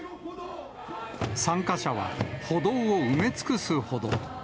参加者は歩道を埋め尽くすほど。